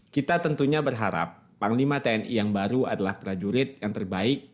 kita tentunya berharap panglima tni yang baru adalah prajurit yang terbaik